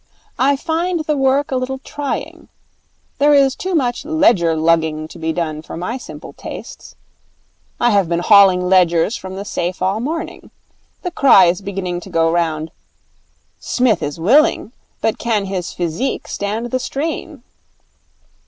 I find the work a little trying. There is too much ledger lugging to be done for my simple tastes. I have been hauling ledgers from the safe all the morning. The cry is beginning to go round, "Psmith is willing, but can his physique stand the strain?"